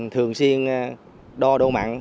thường xuyên đo đô mặn